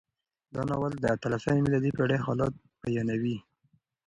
دا ناول د اتلسمې میلادي پېړۍ حالات بیانوي.